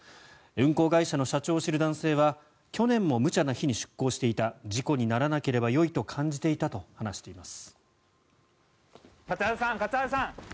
運航会社の社長を知る男性は去年も無茶な日に出航していた事故にならなければよいと感じていたと話しています。